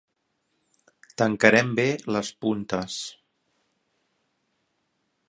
Tancarem bé les puntes.